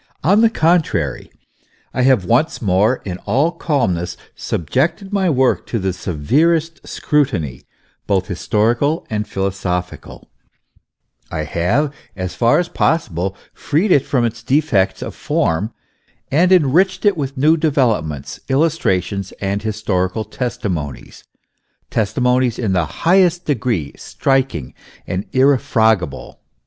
On the contrary, I have once more, in all calmness, subjected my work to the severest scrutiny, both historical and philosophical; I have, as far as possible, freed it from its defects of form, and enriched it with new developments, illustra tions and historical testimonies, testimonies in the highest degree striking and irrefragable.